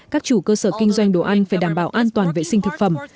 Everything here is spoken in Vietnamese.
các chủ cơ sở kinh doanh đồ ăn phải đảm bảo an toàn vệ sinh thực phẩm